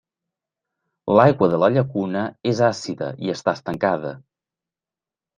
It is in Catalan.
L'aigua de la llacuna és àcida i està estancada.